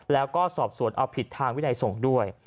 แล้วก็สอบสวนเอาผิดทางวินัยส่งด้วย